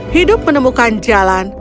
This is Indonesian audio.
hidup menemukan jalan